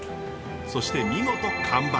そして見事完売。